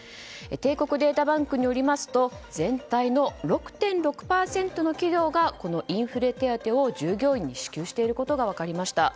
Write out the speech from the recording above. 帝国データバンクによりますと全体の６．６％の企業がこのインフレ手当を従業員に支給していることが分かりました。